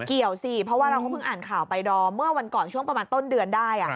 เกี่ยวสิเพราะว่าเราก็เพิ่งอ่านข่าวไปดอมเมื่อวันก่อนช่วงประมาณต้นเดือนได้